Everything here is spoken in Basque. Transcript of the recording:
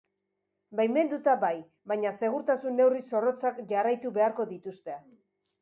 Baimenduta bai, baina, segurtasun neurri zorrotzak jarraitu beharko dituzte.